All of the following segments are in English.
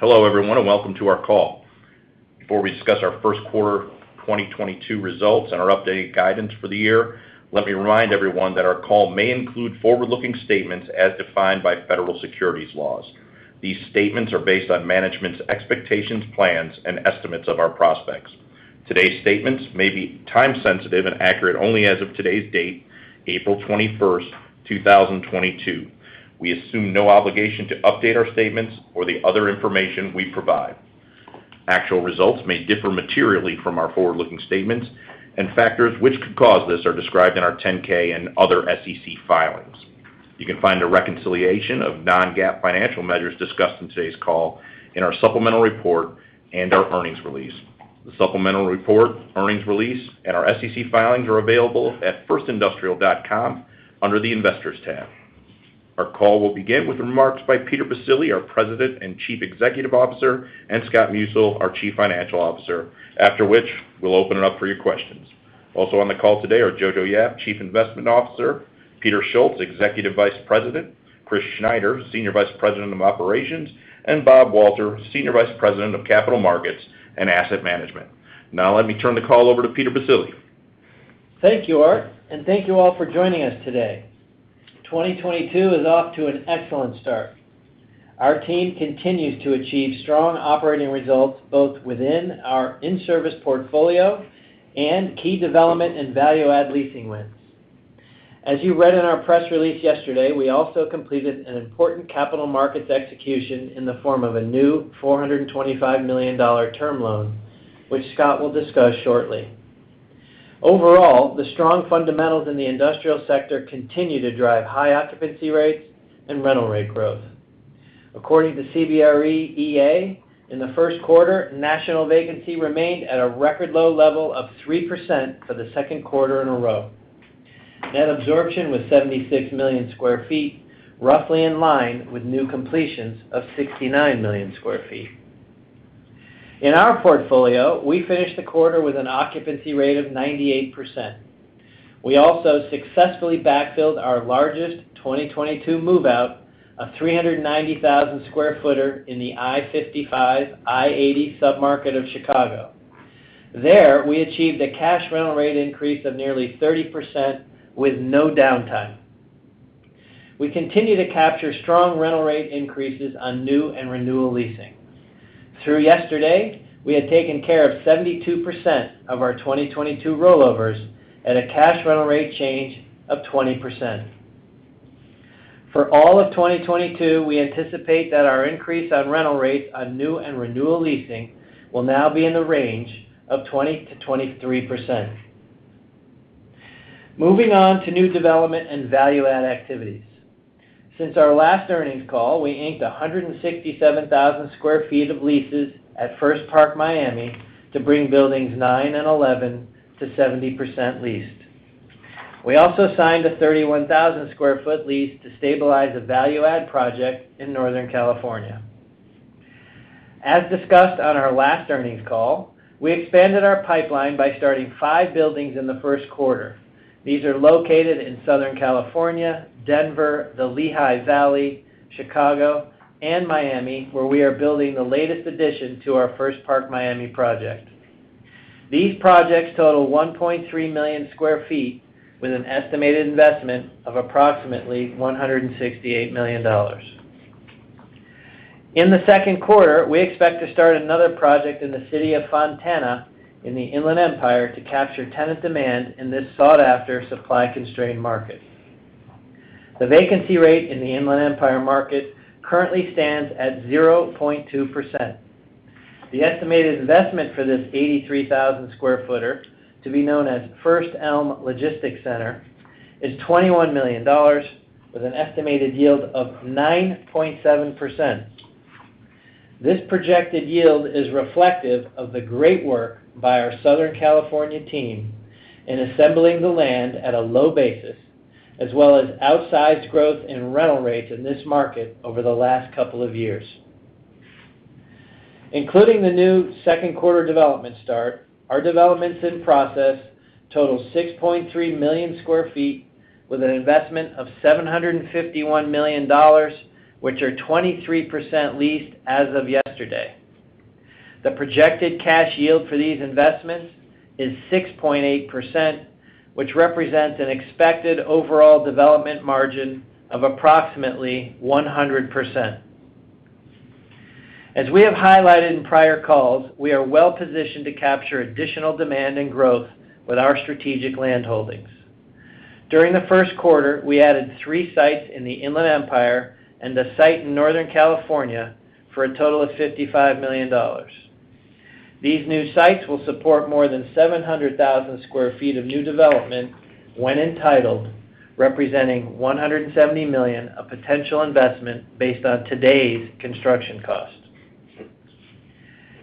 Hello, everyone, and welcome to our call. Before we discuss our first quarter 2022 results and our updated guidance for the year, let me remind everyone that our call may include forward-looking statements as defined by federal securities laws. These statements are based on management's expectations, plans and estimates of our prospects. Today's statements may be time sensitive and accurate only as of today's date, April 21, 2022. We assume no obligation to update our statements or the other information we provide. Actual results may differ materially from our forward-looking statements, and factors which could cause this are described in our 10-K and other SEC filings. You can find a reconciliation of non-GAAP financial measures discussed in today's call in our supplemental report and our earnings release. The supplemental report, earnings release, and our SEC filings are available at firstindustrial.com under the Investors tab. Our call will begin with remarks by Peter E. Baccile, our President and Chief Executive Officer, and Scott Musil, our Chief Financial Officer. After which, we'll open it up for your questions. Also on the call today are Jojo Yap, Chief Investment Officer, Peter Schultz, Executive Vice President, Christopher Schneider, Senior Vice President of Operations, and Robert Walter, Senior Vice President of Capital Markets and Asset Management. Now, let me turn the call over to Peter E. Baccile. Thank you, Art, and thank you all for joining us today. 2022 is off to an excellent start. Our team continues to achieve strong operating results, both within our in-service portfolio and key development and value add leasing wins. As you read in our press release yesterday, we also completed an important capital markets execution in the form of a new $425 million term loan, which Scott will discuss shortly. Overall, the strong fundamentals in the industrial sector continue to drive high occupancy rates and rental rate growth. According to CBRE EA, in the first quarter, national vacancy remained at a record low level of 3% for the second quarter in a row. Net absorption was 76 million sq ft, roughly in line with new completions of 69 million sq ft. In our portfolio, we finished the quarter with an occupancy rate of 98%. We also successfully backfilled our largest 2022 move-out of 390,000 sq ft in the I-55, I-80 submarket of Chicago. There, we achieved a cash rental rate increase of nearly 30% with no downtime. We continue to capture strong rental rate increases on new and renewal leasing. Through yesterday, we had taken care of 72% of our 2022 rollovers at a cash rental rate change of 20%. For all of 2022, we anticipate that our increase on rental rates on new and renewal leasing will now be in the range of 20%-23%. Moving on to new development and value add activities. Since our last earnings call, we inked 167,000 sq ft of leases at First Park Miami to bring buildings 9 and 11 to 70% leased. We also signed a 31,000 sq ft lease to stabilize a value add project in Northern California. As discussed on our last earnings call, we expanded our pipeline by starting 5 buildings in the first quarter. These are located in Southern California, Denver, the Lehigh Valley, Chicago, and Miami, where we are building the latest addition to our First Park Miami project. These projects total 1.3 million sq ft with an estimated investment of approximately $168 million. In the second quarter, we expect to start another project in the city of Fontana in the Inland Empire to capture tenant demand in this sought-after, supply-constrained market. The vacancy rate in the Inland Empire market currently stands at 0.2%. The estimated investment for this 83,000 sq ft, to be known as First Elm Logistics Center, is $21 million with an estimated yield of 9.7%. This projected yield is reflective of the great work by our Southern California team in assembling the land at a low basis, as well as outsized growth in rental rates in this market over the last couple of years. Including the new second quarter development start, our developments in process total 6.3 million sq ft with an investment of $751 million, which are 23% leased as of yesterday. The projected cash yield for these investments is 6.8%, which represents an expected overall development margin of approximately 100%. As we have highlighted in prior calls, we are well-positioned to capture additional demand and growth with our strategic land holdings. During the first quarter, we added 3 sites in the Inland Empire and a site in Northern California for a total of $55 million. These new sites will support more than 700,000 sq ft of new development when entitled, representing $170 million of potential investment based on today's construction cost.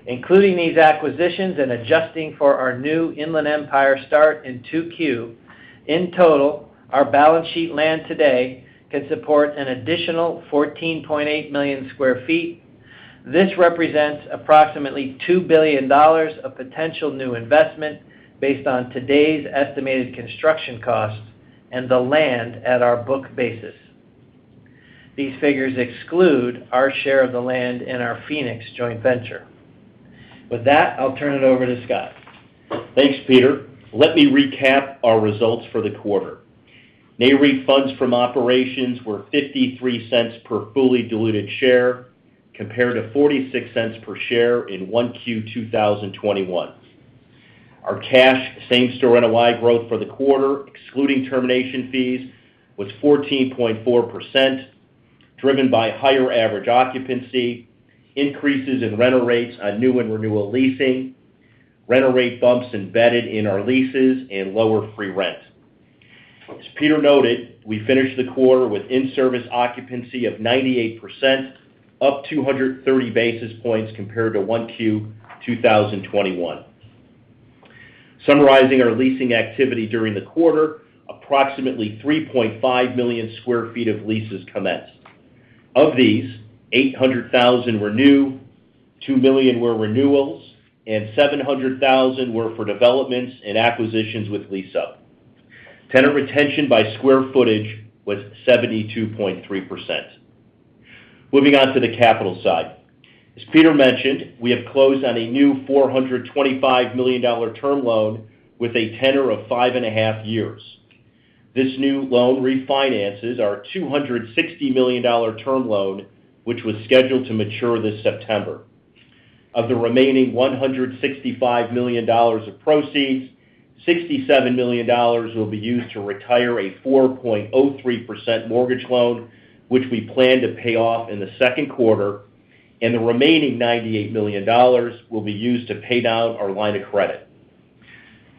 Including these acquisitions and adjusting for our new Inland Empire start in 2Q, in total, our balance sheet land today can support an additional 14.8 million sq ft. This represents approximately $2 billion of potential new investment based on today's estimated construction costs and the land at our book basis. These figures exclude our share of the land and our Phoenix joint venture. With that, I'll turn it over to Scott. Thanks, Peter. Let me recap our results for the quarter. NAREIT funds from operations were $0.53 per fully diluted share compared to $0.46 per share in 1Q 2021. Our cash same-store NOI growth for the quarter, excluding termination fees, was 14.4%, driven by higher average occupancy, increases in rental rates on new and renewal leasing, rental rate bumps embedded in our leases, and lower free rent. As Peter noted, we finished the quarter with in-service occupancy of 98%, up 230 basis points compared to 1Q 2021. Summarizing our leasing activity during the quarter, approximately 3.5 million sq ft of leases commenced. Of these, 800,000 were new, 2 million were renewals, and 700,000 were for developments and acquisitions with lease-up. Tenant retention by square footage was 72.3%. Moving on to the capital side. As Peter mentioned, we have closed on a new $425 million term loan with a tenor of five and a half years. This new loan refinances our $260 million term loan, which was scheduled to mature this September. Of the remaining $165 million of proceeds, $67 million will be used to retire a 4.03% mortgage loan, which we plan to pay off in the second quarter, and the remaining $98 million will be used to pay down our line of credit.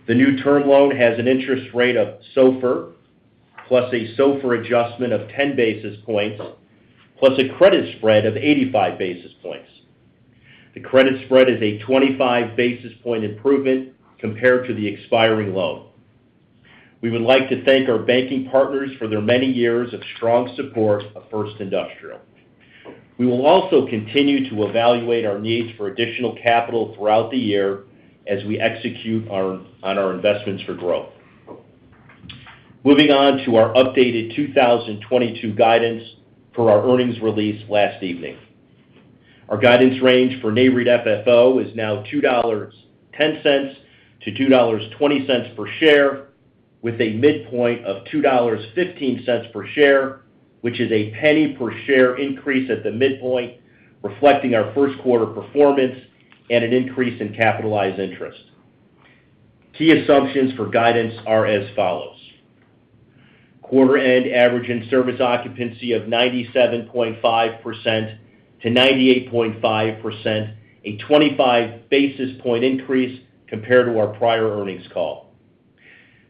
The new term loan has an interest rate of SOFR, plus a SOFR adjustment of 10 basis points, plus a credit spread of 85 basis points. The credit spread is a 25 basis point improvement compared to the expiring loan. We would like to thank our banking partners for their many years of strong support of First Industrial. We will also continue to evaluate our needs for additional capital throughout the year as we execute on our investments for growth. Moving on to our updated 2022 guidance for our earnings release last evening. Our guidance range for NAREIT FFO is now $2.10 to $2.20 per share, with a midpoint of $2.15 per share, which is a $0.01 per share increase at the midpoint, reflecting our first quarter performance and an increase in capitalized interest. Key assumptions for guidance are as follows. Quarter end average in service occupancy of 97.5% to 98.5%, a 25 basis point increase compared to our prior earnings call.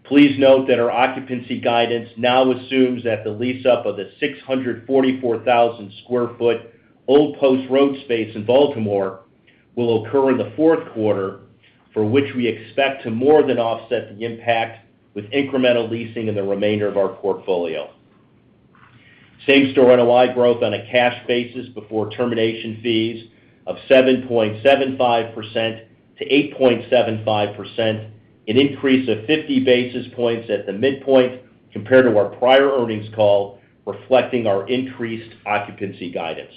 Please note that our occupancy guidance now assumes that the lease up of the 644,000 sq ft Old Post Road space in Baltimore will occur in the fourth quarter, for which we expect to more than offset the impact with incremental leasing in the remainder of our portfolio. Same-store NOI growth on a cash basis before termination fees of 7.75%-8.75%, an increase of 50 basis points at the midpoint compared to our prior earnings call, reflecting our increased occupancy guidance.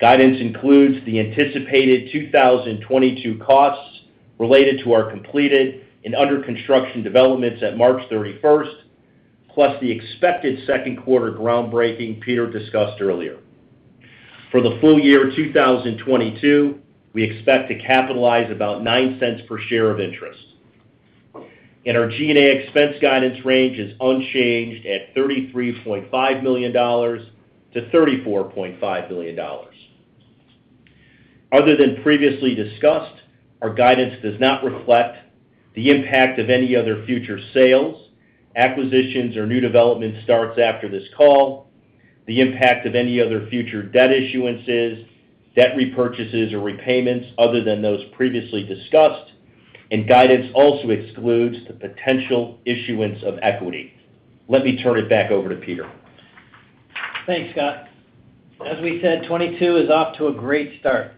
Guidance includes the anticipated 2022 costs related to our completed and under construction developments at March 31, plus the expected second quarter groundbreaking Peter discussed earlier. For the full year 2022, we expect to capitalize about $0.09 per share of interest. Our G&A expense guidance range is unchanged at $33.5 million-$34.5 million. Other than previously discussed, our guidance does not reflect the impact of any other future sales, acquisitions, or new development starts after this call, the impact of any other future debt issuances, debt repurchases or repayments other than those previously discussed, and guidance also excludes the potential issuance of equity. Let me turn it back over to Peter. Thanks, Scott. As we said, 2022 is off to a great start.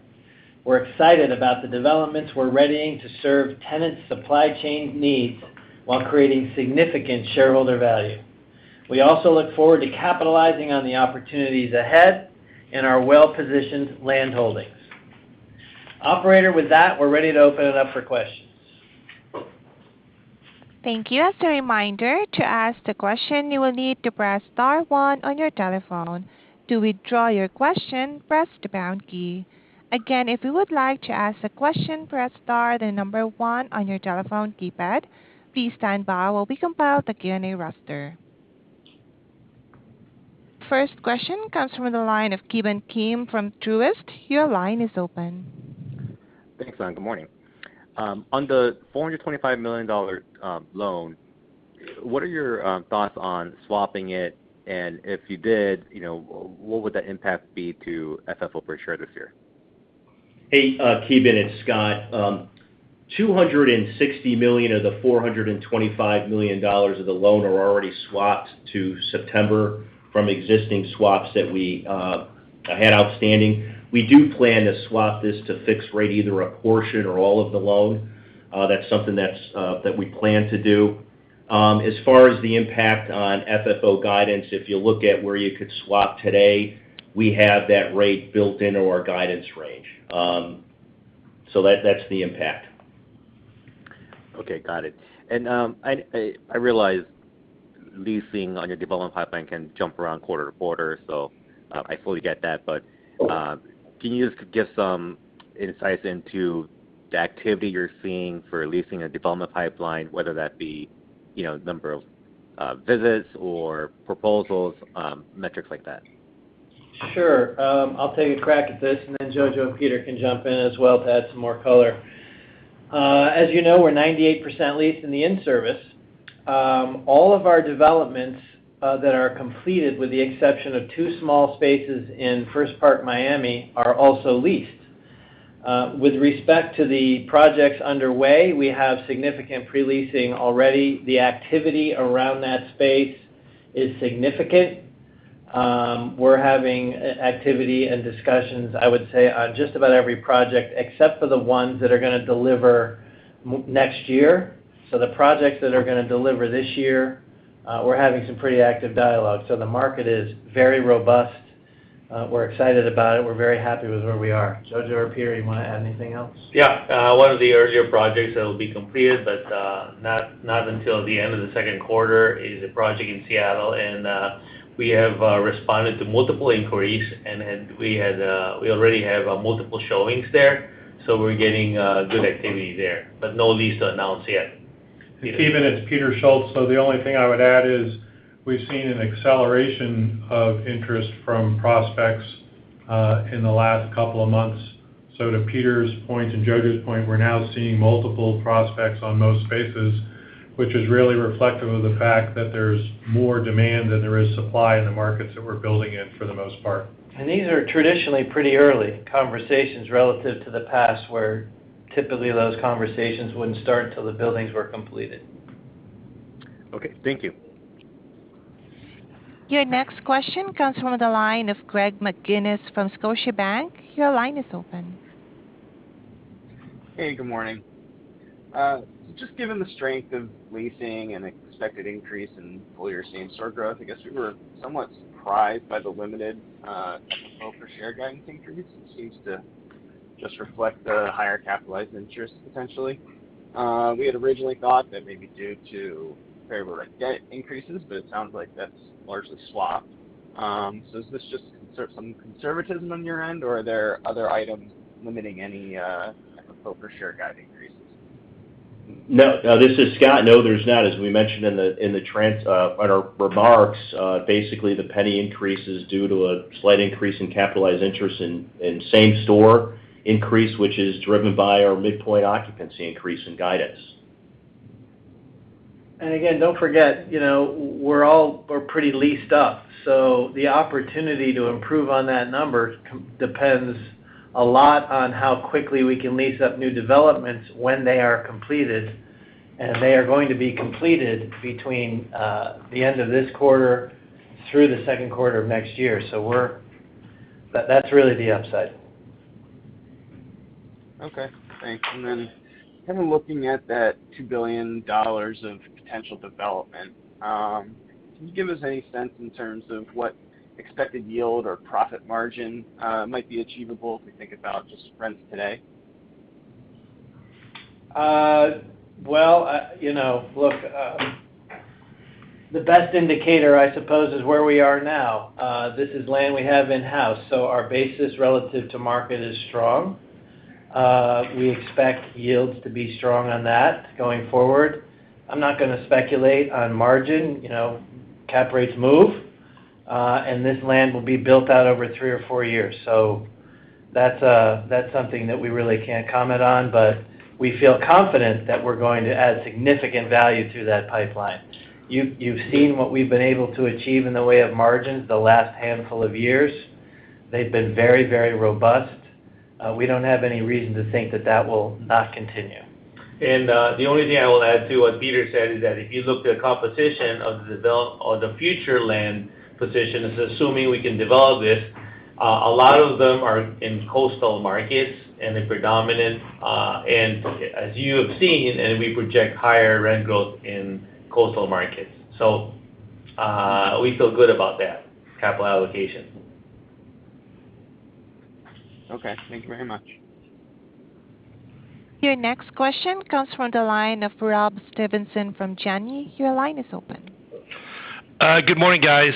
We're excited about the developments we're readying to serve tenants' supply chain needs while creating significant shareholder value. We also look forward to capitalizing on the opportunities ahead in our well-positioned land holdings. Operator, with that, we're ready to open it up for questions. Thank you. As a reminder, to ask the question, you will need to press star one on your telephone. To withdraw your question, press the pound key. Again, if you would like to ask a question, press star, the number one on your telephone keypad. Please stand by while we compile the Q&A roster. First question comes from the line of Ki Bin Kim from Truist. Your line is open. Thanks, Ma'am. Good morning. On the $425 million loan, what are your thoughts on swapping it? If you did, you know, what would the impact be to FFO per share this year? Hey, Ki Bin, it's Scott. $260 million of the $425 million of the loan are already swapped to SOFR from existing swaps that we We had outstanding. We do plan to swap this to fixed rate, either a portion or all of the loan. That's something that we plan to do. As far as the impact on FFO guidance, if you look at where you could swap today, we have that rate built into our guidance range. That's the impact. Okay, got it. I realize leasing on your development pipeline can jump around quarter to quarter, so I fully get that. But Sure. Can you just give some insights into the activity you're seeing for leasing a development pipeline, whether that be, you know, number of visits or proposals, metrics like that? Sure. I'll take a crack at this, and then Jojo and Peter can jump in as well to add some more color. As you know, we're 98% leased in the in-service. All of our developments that are completed, with the exception of two small spaces in First Park Miami, are also leased. With respect to the projects underway, we have significant pre-leasing already. The activity around that space is significant. We're having activity and discussions, I would say, on just about every project except for the ones that are gonna deliver next year. The projects that are gonna deliver this year, we're having some pretty active dialogue. The market is very robust. We're excited about it. We're very happy with where we are. Jojo or Peter, you wanna add anything else? Yeah. One of the earlier projects that will be completed, but not until the end of the second quarter is a project in Seattle. We have responded to multiple inquiries, and we already have multiple showings there. We're getting good activity there, but no lease to announce yet. Peter. Stephen, it's Peter Schultz. The only thing I would add is we've seen an acceleration of interest from prospects in the last couple of months. To Peter's point and Jojo's point, we're now seeing multiple prospects on most spaces, which is really reflective of the fact that there's more demand than there is supply in the markets that we're building in for the most part. These are traditionally pretty early conversations relative to the past, where typically those conversations wouldn't start till the buildings were completed. Okay. Thank you. Your next question comes from the line of Greg McGinniss from Scotiabank. Your line is open. Hey, good morning. Just given the strength of leasing and expected increase in full year same-store growth, I guess we were somewhat surprised by the limited flow for share guidance increase. It seems to just reflect the higher capitalized interest, potentially. We had originally thought that may be due to variable rate debt increases, but it sounds like that's largely swapped. Is this just some conservatism on your end, or are there other items limiting any kind of flow for share guide increases? No. This is Scott. No, there's not. As we mentioned on our remarks, basically, the penny increase is due to a slight increase in capitalized interest in same-store increase, which is driven by our midpoint occupancy increase in guidance. Again, don't forget, you know, we're pretty leased up, so the opportunity to improve on that number depends a lot on how quickly we can lease up new developments when they are completed, and they are going to be completed between the end of this quarter through the second quarter of next year. That's really the upside. Okay. Thanks. Kind of looking at that $2 billion of potential development, can you give us any sense in terms of what expected yield or profit margin might be achievable if we think about just rents today? Well, you know, look, the best indicator, I suppose, is where we are now. This is land we have in-house, so our basis relative to market is strong. We expect yields to be strong on that going forward. I'm not gonna speculate on margin. You know, cap rates move. This land will be built out over 3 or 4 years. That's something that we really can't comment on, but we feel confident that we're going to add significant value to that pipeline. You've seen what we've been able to achieve in the way of margins the last handful of years. They've been very, very robust. We don't have any reason to think that that will not continue. The only thing I will add to what Peter said is that if you look at the composition of the future land position is assuming we can develop it, a lot of them are in coastal markets and the predominant and as you have seen, and we project higher rent growth in coastal markets. We feel good about that capital allocation. Okay. Thank you very much. Your next question comes from the line of Robert Stevenson from Janney. Your line is open. Good morning, guys.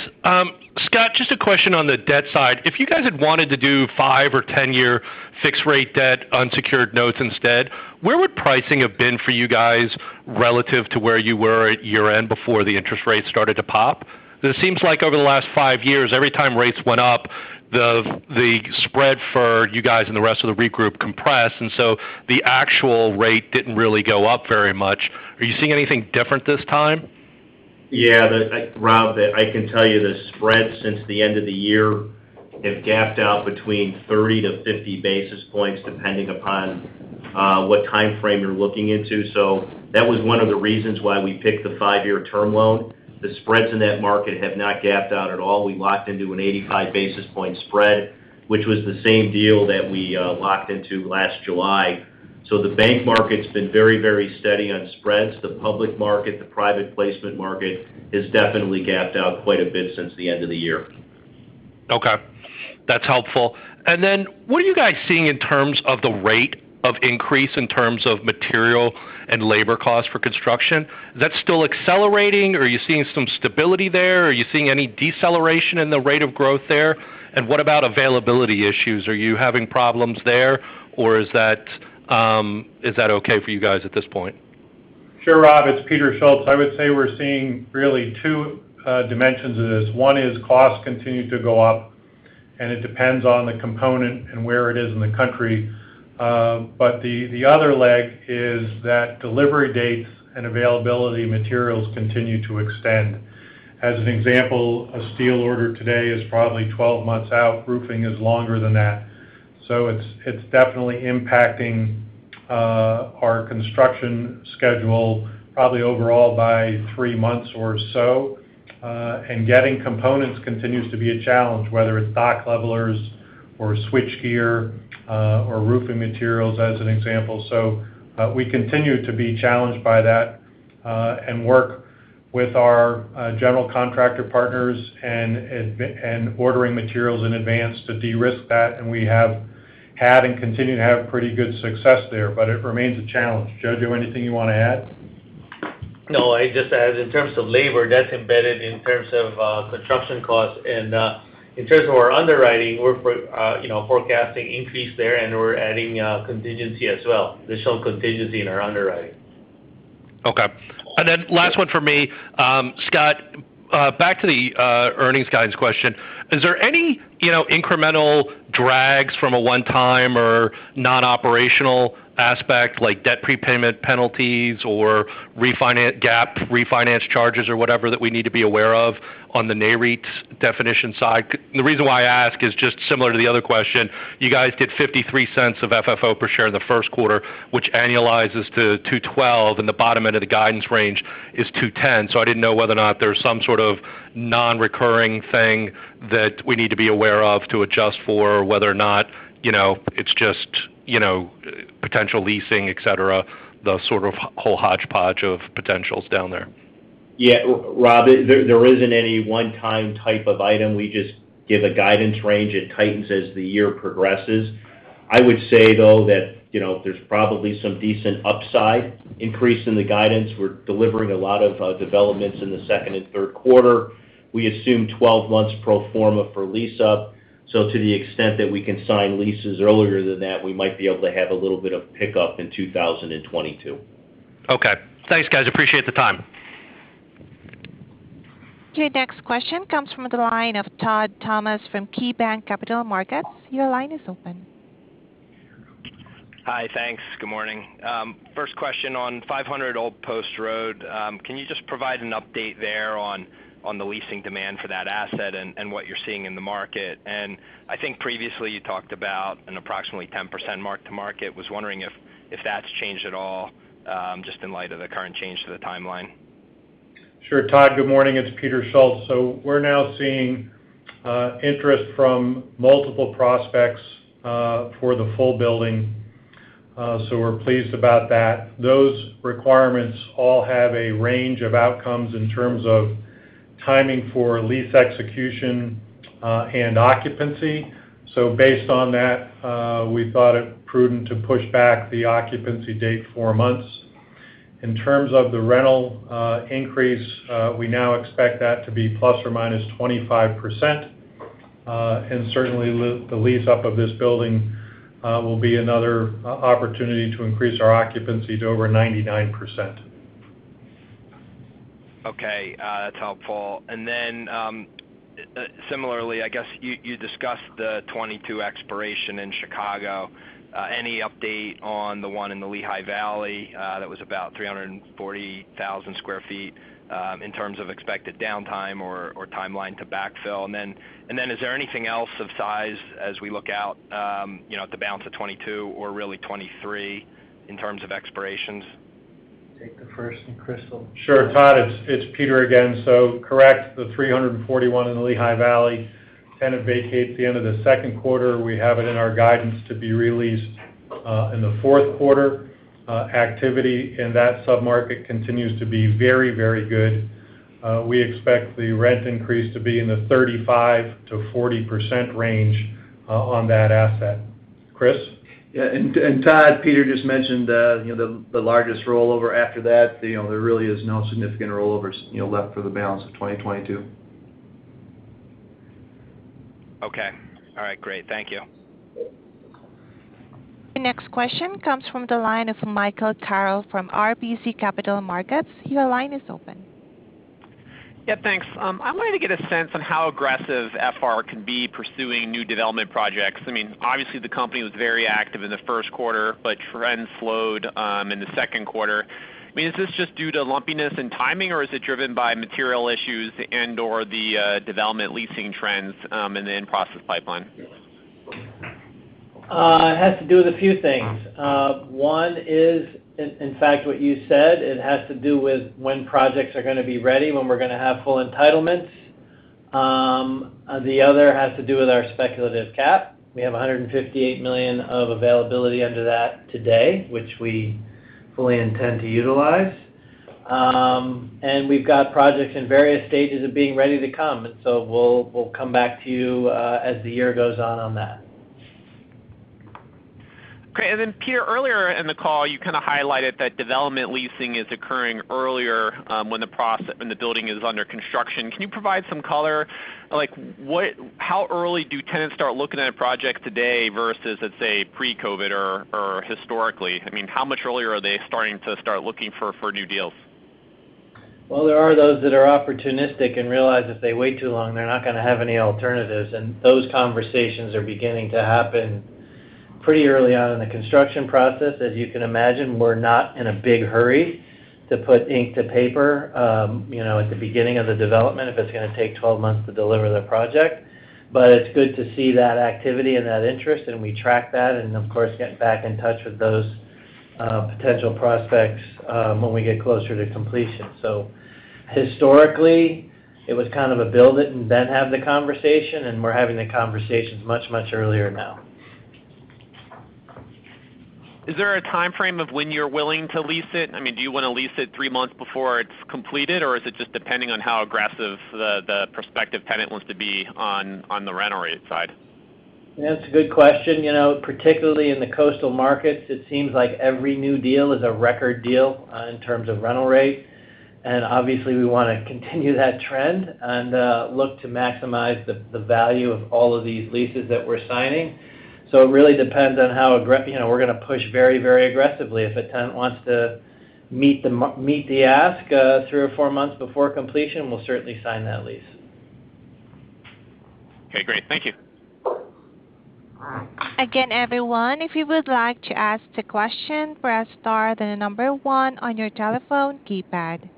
Scott, just a question on the debt side. If you guys had wanted to do 5- or 10-year fixed rate debt unsecured notes instead, where would pricing have been for you guys relative to where you were at year-end before the interest rates started to pop? It seems like over the last 5 years, every time rates went up, the spread for you guys and the rest of the REIT group compressed, and so the actual rate didn't really go up very much. Are you seeing anything different this time? Yeah. Rob, I can tell you the spreads since the end of the year have gapped out between 30-50 basis points, depending upon what timeframe you're looking into. That was one of the reasons why we picked the 5-year term loan. The spreads in that market have not gapped out at all. We locked into an 85 basis point spread, which was the same deal that we locked into last July. The bank market's been very, very steady on spreads. The public market, the private placement market has definitely gapped out quite a bit since the end of the year. Okay, that's helpful. What are you guys seeing in terms of the rate of increase in terms of material and labor costs for construction? Is that still accelerating, or are you seeing some stability there? Are you seeing any deceleration in the rate of growth there? What about availability issues? Are you having problems there or is that, is that okay for you guys at this point? Sure, Rob, it's Peter Schultz. I would say we're seeing really two dimensions of this. One is costs continue to go up, and it depends on the component and where it is in the country. But the other leg is that delivery dates and availability of materials continue to extend. As an example, a steel order today is probably 12 months out. Roofing is longer than that. It's definitely impacting our construction schedule probably overall by three months or so. Getting components continues to be a challenge, whether it's dock levelers or switch gear, or roofing materials, as an example. We continue to be challenged by that, and work with our general contractor partners and ordering materials in advance to de-risk that. We have had and continue to have pretty good success there, but it remains a challenge. Joe, anything you wanna add? No. I just add, in terms of labor, that's embedded in terms of construction costs. In terms of our underwriting, we're forecasting increase there and we're adding contingency as well. There's some contingency in our underwriting. Okay. Last one for me. Scott, back to the earnings guidance question. Is there any, you know, incremental drags from a one-time or non-operational aspect like debt prepayment penalties or GAAP refinance charges or whatever that we need to be aware of on the NAREIT's definition side? The reason why I ask is just similar to the other question, you guys did $0.53 of FFO per share in the first quarter, which annualizes to $2.12, and the bottom end of the guidance range is $2.10. I didn't know whether or not there was some sort of non-recurring thing that we need to be aware of to adjust for whether or not, you know, it's just, you know, potential leasing, et cetera, the sort of whole hodgepodge of potentials down there. Yeah. Rob, there isn't any one time type of item. We just give a guidance range. It tightens as the year progresses. I would say, though, that, you know, there's probably some decent upside increase in the guidance. We're delivering a lot of developments in the second and third quarter. We assume 12 months pro forma for lease up. So to the extent that we can sign leases earlier than that, we might be able to have a little bit of pickup in 2022. Okay. Thanks, guys. Appreciate the time. Okay, next question comes from the line of Todd Thomas from KeyBanc Capital Markets. Your line is open. Hi. Thanks. Good morning. First question on 500 Old Post Road. Can you just provide an update there on the leasing demand for that asset and what you're seeing in the market? I think previously you talked about an approximately 10% mark-to-market. I was wondering if that's changed at all, just in light of the current change to the timeline. Sure, Todd. Good morning. It's Peter Schultz. We're now seeing interest from multiple prospects for the full building, so we're pleased about that. Those requirements all have a range of outcomes in terms of timing for lease execution and occupancy. Based on that, we thought it prudent to push back the occupancy date 4 months. In terms of the rental increase, we now expect that to be ±25%. Certainly the lease up of this building will be another opportunity to increase our occupancy to over 99%. Okay. That's helpful. Similarly, I guess you discussed the 2022 expiration in Chicago. Any update on the one in the Lehigh Valley, that was about 340,000 sq ft, in terms of expected downtime or timeline to backfill? Is there anything else of size as we look out, you know, at the balance of 2022 or really 2023 in terms of expirations? Take the first one, Chris Schneider. Sure. Todd, it's Peter again. Correct, the 341 in the Lehigh Valley tenant vacates the end of the second quarter. We have it in our guidance to be re-leased in the fourth quarter. Activity in that sub-market continues to be very, very good. We expect the rent increase to be in the 35%-40% range on that asset. Chris? Todd, Peter just mentioned, you know, the largest rollover after that, you know, there really is no significant rollovers, you know, left for the balance of 2022. Okay. All right. Great. Thank you. The next question comes from the line of Michael Carroll from RBC Capital Markets. Your line is open. Yeah, thanks. I wanted to get a sense on how aggressive FR can be pursuing new development projects. I mean, obviously the company was very active in the first quarter, but trends slowed in the second quarter. I mean, is this just due to lumpiness and timing, or is it driven by material issues and/or the development leasing trends in the in-process pipeline? It has to do with a few things. One is, in fact, what you said. It has to do with when projects are gonna be ready, when we're gonna have full entitlements. The other has to do with our speculative cap. We have $158 million of availability under that today, which we fully intend to utilize. We've got projects in various stages of being ready to come, and so we'll come back to you as the year goes on that. Great. Then Peter, earlier in the call, you kind of highlighted that development leasing is occurring earlier, when the building is under construction. Can you provide some color? Like, how early do tenants start looking at a project today versus let's say pre-COVID or historically? I mean, how much earlier are they starting to look for new deals? Well, there are those that are opportunistic and realize if they wait too long, they're not gonna have any alternatives, and those conversations are beginning to happen pretty early on in the construction process. As you can imagine, we're not in a big hurry to put ink to paper, you know, at the beginning of the development if it's gonna take 12 months to deliver the project. It's good to see that activity and that interest, and we track that and of course, get back in touch with those, potential prospects, when we get closer to completion. Historically, it was kind of a build it and then have the conversation, and we're having the conversations much, much earlier now. Is there a timeframe of when you're willing to lease it? I mean, do you wanna lease it three months before it's completed, or is it just depending on how aggressive the prospective tenant wants to be on the rent rate side? That's a good question. You know, particularly in the coastal markets, it seems like every new deal is a record deal in terms of rental rate. Obviously, we wanna continue that trend and look to maximize the value of all of these leases that we're signing. It really depends on how you know, we're gonna push very, very aggressively. If a tenant wants to meet the ask three or four months before completion, we'll certainly sign that lease. Okay, great. Thank you. Again, everyone, if you would like to ask the question, press star, then the number one on your telephone keypad.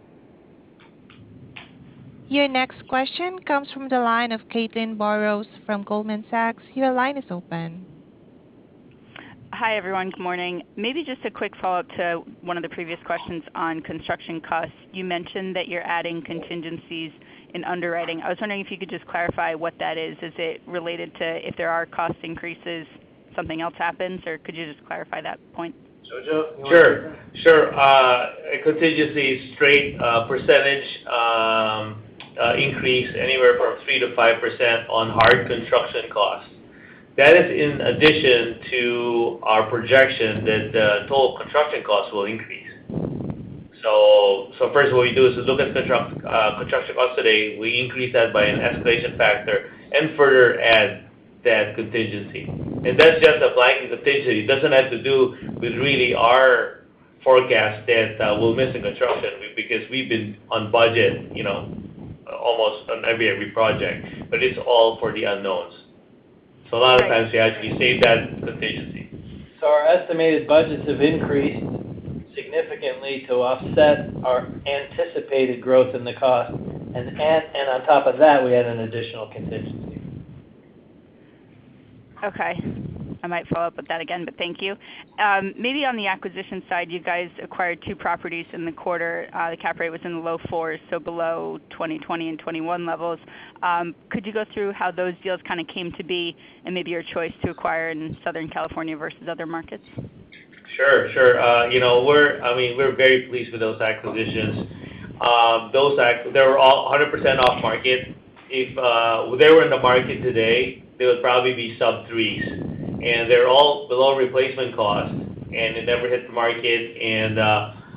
Your next question comes from the line of Caitlin Burrows from Goldman Sachs. Your line is open. Hi, everyone. Good morning. Maybe just a quick follow-up to one of the previous questions on construction costs. You mentioned that you're adding contingencies in underwriting. I was wondering if you could just clarify what that is. Is it related to if there are cost increases, something else happens? Or could you just clarify that point? Jojo, you wanna take that? Sure. A contingency is straight percentage increase anywhere from 3%-5% on hard construction costs. That is in addition to our projection that the total construction costs will increase. First what we do is to look at construction costs today. We increase that by an escalation factor and further add that contingency. That's just a blanket contingency. It doesn't have to do with really our forecast that we'll miss in construction because we've been on budget, you know, almost on every project. It's all for the unknowns. Right. A lot of times we actually save that contingency. Our estimated budgets have increased significantly to offset our anticipated growth in the cost. On top of that, we add an additional contingency. Okay. I might follow up with that again, but thank you. Maybe on the acquisition side, you guys acquired 2 properties in the quarter. The cap rate was in the low fours, so below 2020 and 2021 levels. Could you go through how those deals kind of came to be and maybe your choice to acquire in Southern California versus other markets? Sure, sure. You know, I mean, we're very pleased with those acquisitions. They were all 100% off market. If they were in the market today, they would probably be sub threes. They're all below replacement cost, and it never hit the market.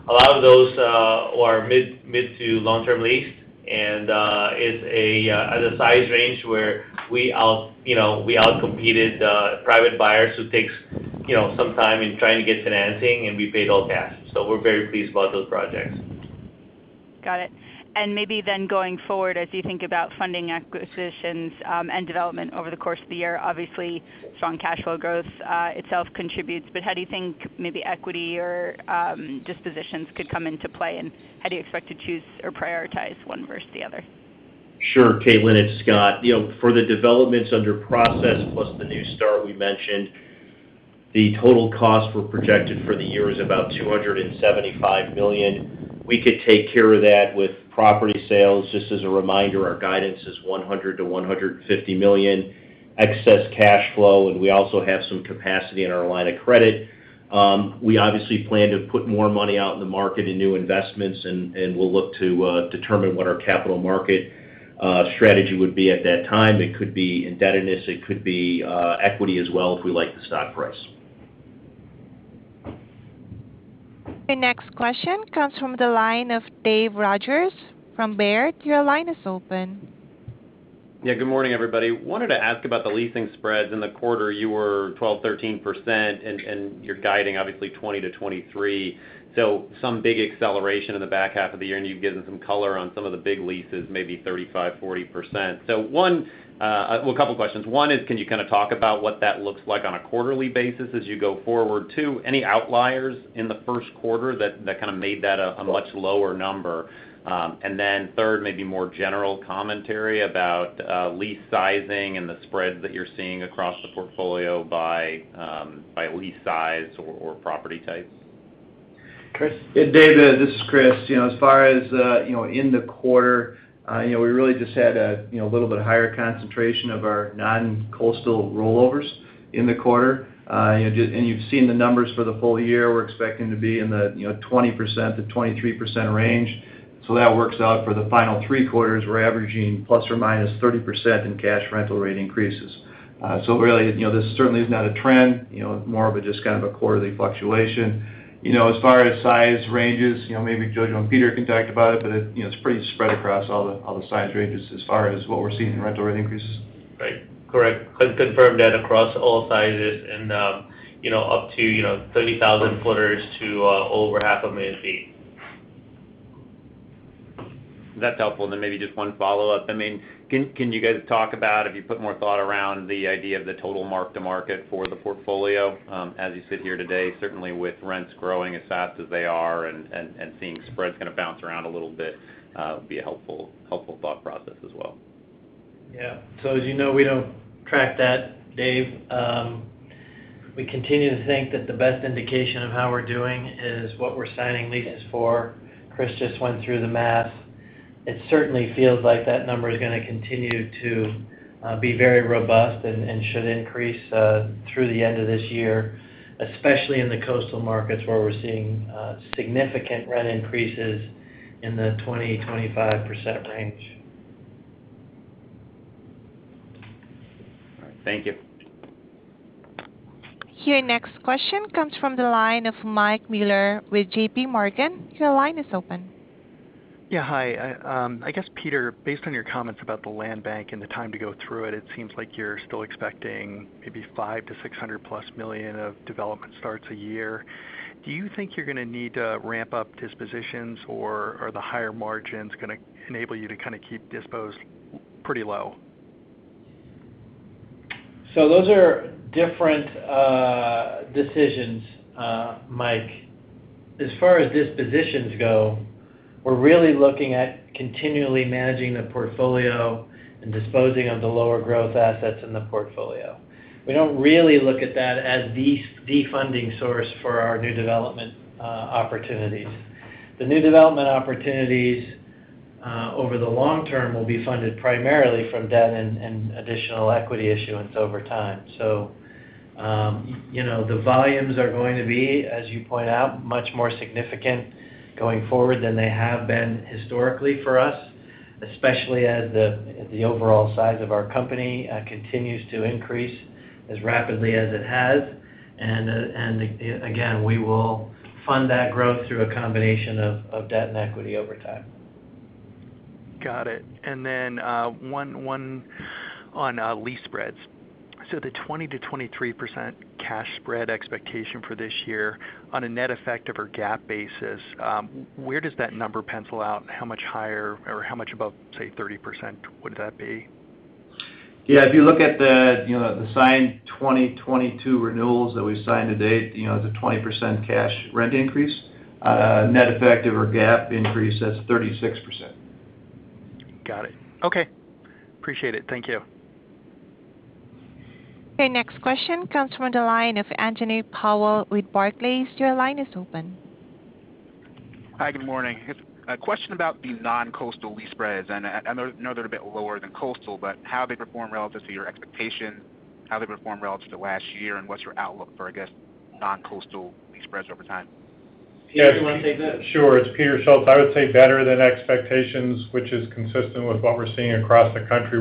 A lot of those are mid- to long-term lease. It's at a size range where we outcompeted private buyers who takes, you know, some time in trying to get financing, and we paid all cash. We're very pleased about those projects. Got it. Maybe then going forward as you think about funding acquisitions, and development over the course of the year, obviously strong cash flow growth itself contributes. How do you think maybe equity or dispositions could come into play? How do you expect to choose or prioritize one versus the other? Sure, Caitlin. It's Scott. You know, for the developments under process plus the new start we mentioned, the total costs were projected for the year is about $275 million. We could take care of that with property sales. Just as a reminder, our guidance is $100 million-$150 million excess cash flow, and we also have some capacity in our line of credit. We obviously plan to put more money out in the market in new investments and we'll look to determine what our capital market strategy would be at that time. It could be indebtedness. It could be equity as well if we like the stock price. The next question comes from the line of Dave Rogers from Baird. Your line is open. Yeah, good morning, everybody. Wanted to ask about the leasing spreads in the quarter. You were 12%-13% and you're guiding obviously 20%-23%. Some big acceleration in the back half of the year, and you've given some color on some of the big leases, maybe 35%-40%. One, well, a couple questions. One is, can you kind of talk about what that looks like on a quarterly basis as you go forward? Two, any outliers in the first quarter that kind of made that a much lower number? And then third, maybe more general commentary about lease sizing and the spreads that you're seeing across the portfolio by lease size or property types. Chris? Yeah, Dave, this is Chris. You know, as far as, you know, in the quarter, you know, we really just had a, you know, little bit higher concentration of our non-coastal rollovers in the quarter. And you've seen the numbers for the full year. We're expecting to be in the, you know, 20%-23% range. That works out for the final three quarters, we're averaging ±30% in cash rental rate increases. So really, you know, this certainly is not a trend, you know, more of a just kind of a quarterly fluctuation. You know, as far as size ranges, you know, maybe Jojo and Peter can talk about it, but it, you know, it's pretty spread across all the size ranges as far as what we're seeing in rental rate increases. Right. Correct. Can confirm that across all sizes and, you know, up to, you know, 30,000 footers to, over 500,000 feet. That's helpful. Maybe just one follow-up. I mean, can you guys talk about if you put more thought around the idea of the total mark-to-market for the portfolio, as you sit here today, certainly with rents growing as fast as they are and seeing spreads kind of bounce around a little bit, would be a helpful thought process as well. Yeah. As you know, we don't track that, Dave. We continue to think that the best indication of how we're doing is what we're signing leases for. Chris just went through the math. It certainly feels like that number is gonna continue to be very robust and should increase through the end of this year, especially in the coastal markets where we're seeing significant rent increases in the 20%-25% range. All right. Thank you. Your next question comes from the line of Michael Mueller with J.P. Morgan. Your line is open. I guess, Peter, based on your comments about the land bank and the time to go through it seems like you're still expecting maybe $500-$600+ million of development starts a year. Do you think you're gonna need to ramp up dispositions, or are the higher margins gonna enable you to kind of keep dispositions pretty low? Those are different decisions, Mike. As far as dispositions go, we're really looking at continually managing the portfolio and disposing of the lower growth assets in the portfolio. We don't really look at that as defunding source for our new development opportunities. The new development opportunities over the long term will be funded primarily from debt and additional equity issuance over time. You know, the volumes are going to be, as you point out, much more significant going forward than they have been historically for us, especially as the overall size of our company continues to increase as rapidly as it has. We will fund that growth through a combination of debt and equity over time. Got it. One on lease spreads. The 20%-23% cash spread expectation for this year on a net effect of our GAAP basis, where does that number pencil out? How much higher or how much above, say, 30% would that be? Yeah, if you look at the, you know, the signed 2022 renewals that we've signed to date, you know, the 20% cash rent increase, net effect of our GAAP increase, that's 36%. Got it. Okay. Appreciate it. Thank you. Okay. Next question comes from the line of Anthony Powell with Barclays. Your line is open. Hi. Good morning. A question about the non-coastal lease spreads. I know they're a bit lower than coastal, but how they perform relative to your expectations, how they perform relative to last year, and what's your outlook for, I guess, non-coastal lease spreads over time? Peter, you wanna take that? Sure. It's Peter Schultz. I would say better than expectations, which is consistent with what we're seeing across the country,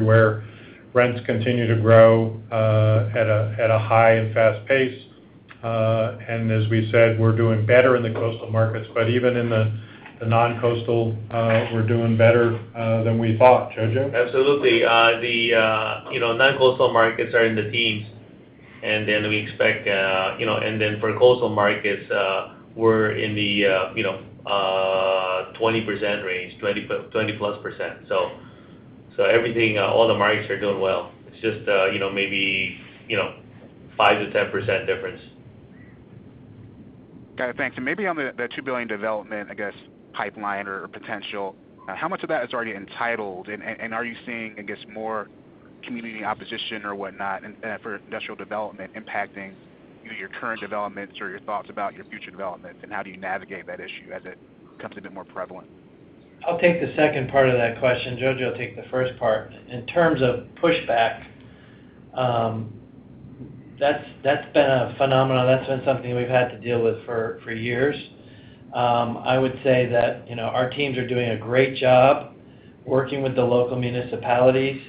where rents continue to grow at a high and fast pace. As we said, we're doing better in the coastal markets, but even in the non-coastal, we're doing better than we thought. Jojo? Absolutely. The you know, non-coastal markets are in the teens, and then we expect you know. For coastal markets, we're in the you know, 20% range, 20+%. So everything, all the markets are doing well. It's just, you know, maybe, you know, 5%-10% difference. Got it. Thanks. Maybe on the $2 billion development, I guess, pipeline or potential, how much of that is already entitled? Are you seeing, I guess, more community opposition or whatnot and for industrial development impacting, you know, your current developments or your thoughts about your future developments? How do you navigate that issue as it becomes a bit more prevalent? I'll take the second part of that question. Jojo will take the first part. In terms of pushback, that's been a phenomenon. That's been something we've had to deal with for years. I would say that you know our teams are doing a great job working with the local municipalities.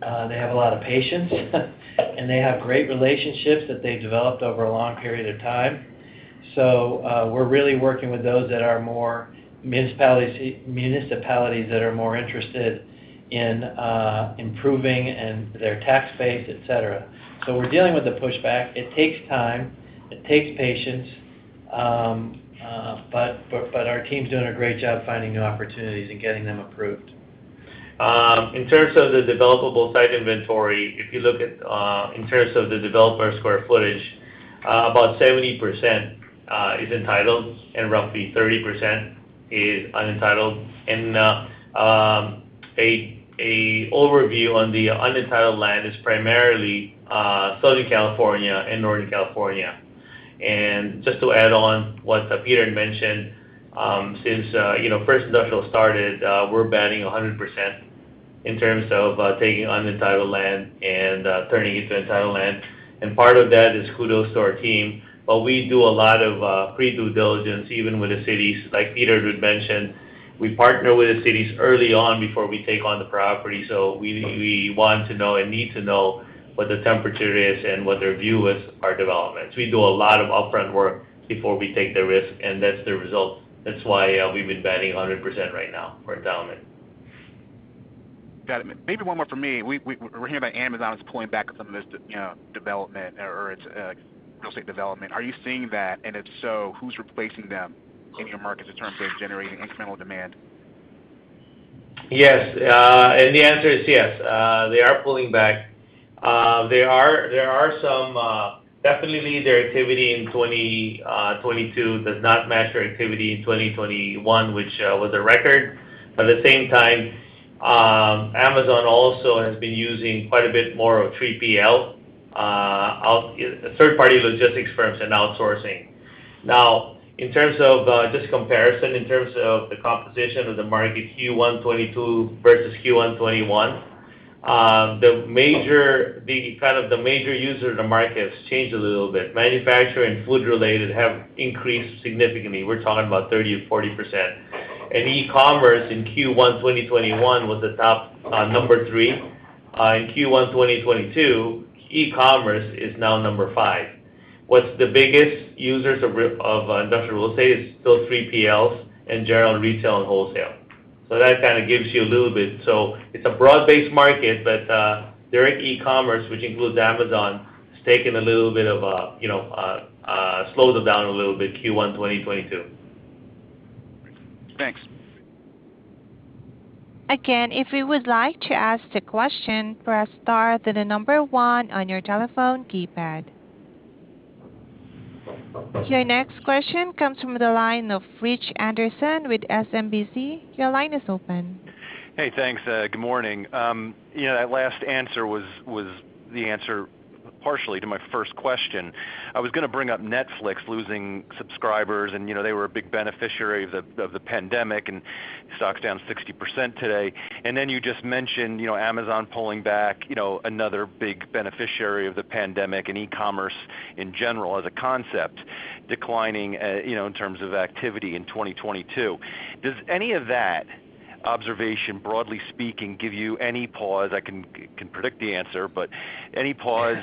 They have a lot of patience, and they have great relationships that they've developed over a long period of time. We're really working with municipalities that are more interested in improving and their tax base, et cetera. We're dealing with the pushback. It takes time. It takes patience. Our team's doing a great job finding new opportunities and getting them approved. In terms of the developable site inventory, if you look at the developer square footage, about 70% is entitled and roughly 30% is unentitled. An overview on the untitled land is primarily Southern California and Northern California. Just to add on what Peter had mentioned, since you know First Industrial started, we're batting 100% in terms of taking untitled land and turning it into titled land. Part of that is kudos to our team, but we do a lot of pre-due diligence even with the cities. Like Peter had mentioned, we partner with the cities early on before we take on the property. We want to know and need to know what the temperature is and what their view is, our developments. We do a lot of upfront work before we take the risk, and that's the result. That's why we've been batting 100% right now for entitlement. Got it. Maybe one more from me. We're hearing that Amazon is pulling back from this, you know, development or its real estate development. Are you seeing that? If so, who's replacing them in your markets in terms of generating incremental demand? Yes. The answer is yes. They are pulling back. There are definitely their activity in 2022 does not match their activity in 2021, which was a record. But at the same time, Amazon also has been using quite a bit more of 3PL, third-party logistics firms and outsourcing. Now, in terms of just comparison in terms of the composition of the market Q1 2022 versus Q1 2021, the major user of the market has changed a little bit. Manufacturer and food related have increased significantly. We're talking about 30%-40%. E-commerce in Q1 2021 was the top number three. In Q1 2022, e-commerce is now number five. What's the biggest users of industrial real estate is still 3PLs and general retail and wholesale. That kind of gives you a little bit. It's a broad-based market, but direct e-commerce, which includes Amazon, has taken a little bit of a slowdown a little bit, Q1 2022. Thanks. Again, if you would like to ask a question, press star, then the number one on your telephone keypad. Your next question comes from the line of Richard Anderson with SMBC. Your line is open. Hey, thanks. Good morning. You know, that last answer was the answer partially to my first question. I was gonna bring up Netflix losing subscribers and, you know, they were a big beneficiary of the pandemic, and stock's down 60% today. Then you just mentioned, you know, Amazon pulling back, you know, another big beneficiary of the pandemic and e-commerce in general as a concept declining, you know, in terms of activity in 2022. Does any of that observation, broadly speaking, give you any pause? I can predict the answer, but any pause,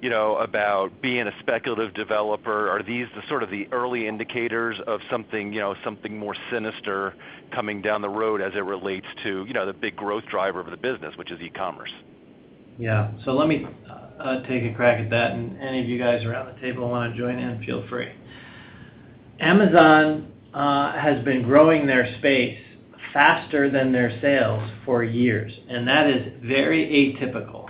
you know, about being a speculative developer? Are these the sort of early indicators of something, you know, something more sinister coming down the road as it relates to, you know, the big growth driver of the business, which is e-commerce? Yeah. Let me take a crack at that, and any of you guys around the table want to join in, feel free. Amazon has been growing their space faster than their sales for years, and that is very atypical.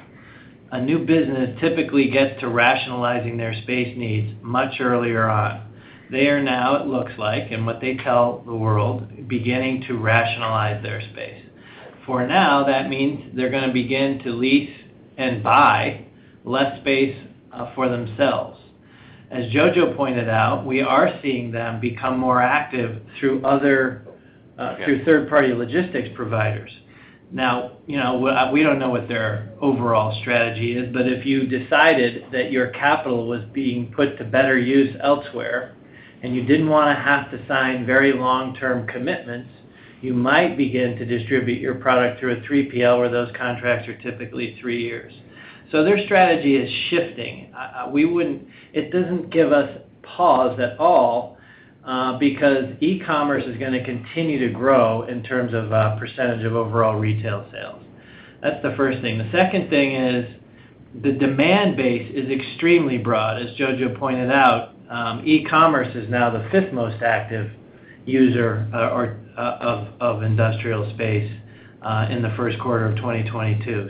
A new business typically gets to rationalizing their space needs much earlier on. They are now, it looks like, and what they tell the world, beginning to rationalize their space. For now, that means they're gonna begin to lease and buy less space for themselves. As Jojo pointed out, we are seeing them become more active through third-party logistics providers. Now, you know, we don't know what their overall strategy is, but if you decided that your capital was being put to better use elsewhere and you didn't wanna have to sign very long-term commitments, you might begin to distribute your product through a 3PL, where those contracts are typically three years. Their strategy is shifting. It doesn't give us pause at all, because e-commerce is gonna continue to grow in terms of percentage of overall retail sales. That's the first thing. The second thing is the demand base is extremely broad. As Jojo pointed out, e-commerce is now the fifth most active user of industrial space in the first quarter of 2022.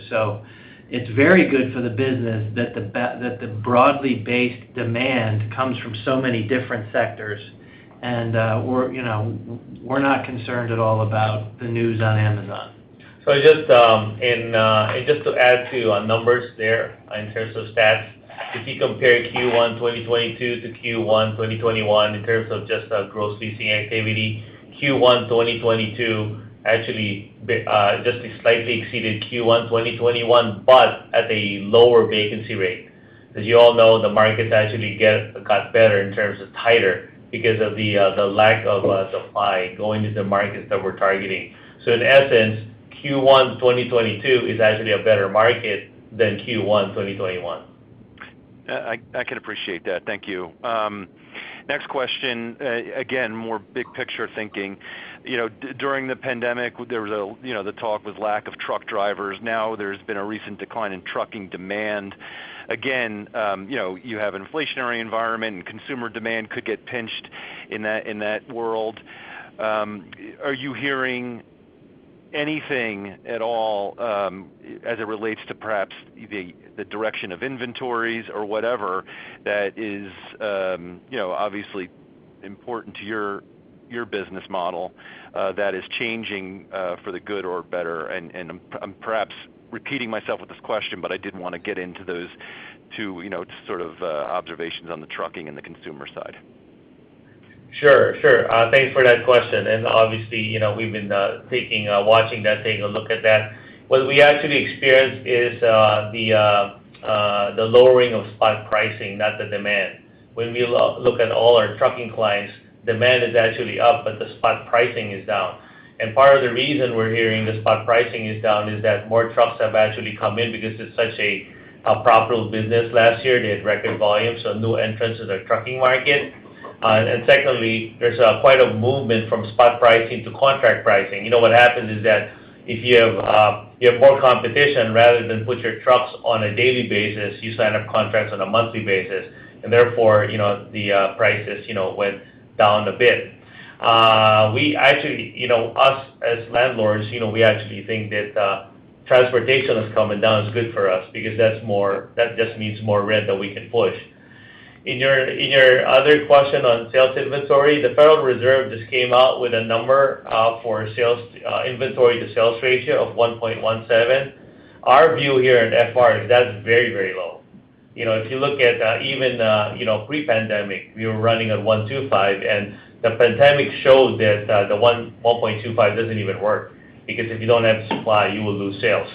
It's very good for the business that the broadly based demand comes from so many different sectors. We're, you know, not concerned at all about the news on Amazon. Just to add to our numbers there in terms of stats. If you compare Q1 2022 to Q1 2021 in terms of just gross leasing activity, Q1 2022 actually just slightly exceeded Q1 2021 but at a lower vacancy rate. As you all know, the markets actually got better in terms of tighter because of the lack of supply going into markets that we're targeting. In essence, Q1 2022 is actually a better market than Q1 2021. I can appreciate that. Thank you. Next question. Again, more big picture thinking. You know, during the pandemic, there was, you know, the talk with lack of truck drivers. Now there's been a recent decline in trucking demand. Again, you know, you have inflationary environment and consumer demand could get pinched in that world. Are you hearing anything at all, as it relates to perhaps the direction of inventories or whatever that is, you know, obviously important to your business model, that is changing for the good or better. I'm perhaps repeating myself with this question, but I did want to get into those two, you know, sort of observations on the trucking and the consumer side. Sure. Thanks for that question. Obviously, you know, we've been watching that, taking a look at that. What we actually experienced is the lowering of spot pricing, not the demand. When we look at all our trucking clients, demand is actually up, but the spot pricing is down. Part of the reason we're hearing the spot pricing is down is that more trucks have actually come in because it's such a profitable business. Last year, they had record volumes, so new entrants in the trucking market. Secondly, there's quite a movement from spot pricing to contract pricing. You know what happens is that if you have more competition rather than put your trucks on a daily basis, you sign up contracts on a monthly basis, and therefore, you know, the prices, you know, went down a bit. We actually, you know, us as landlords, you know, we actually think that transportation is coming down is good for us because that just means more rent that we can push. In your other question on sales inventory, the Federal Reserve just came out with a number for sales inventory to sales ratio of 1.17. Our view here at FR is that's very, very low. You know, if you look at even pre-pandemic, we were running at 1.25, and the pandemic showed that the 1.25 doesn't even work because if you don't have supply, you will lose sales.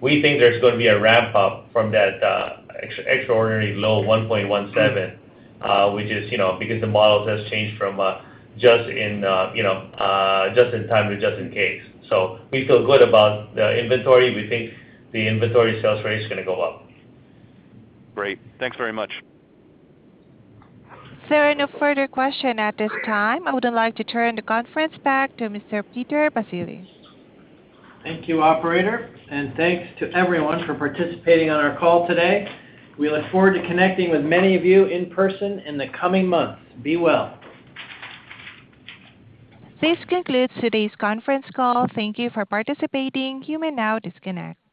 We think there's gonna be a ramp up from that extraordinarily low 1.17, which is, you know, because the models has changed from just in time to just in case. We feel good about the inventory. We think the inventory sales rate is gonna go up. Great. Thanks very much. There are no further questions at this time. I would like to turn the conference back to Mr. Peter Baccile. Thank you, operator, and thanks to everyone for participating on our call today. We look forward to connecting with many of you in person in the coming months. Be well. This concludes today's conference call. Thank you for participating. You may now disconnect.